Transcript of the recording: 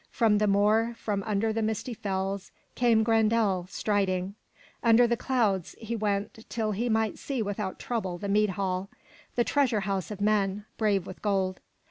From the moor, from under the misty fells, came Grendel, striding. Under the clouds he went till he might see without trouble the mead hall, the treasure house of men, brave with gold.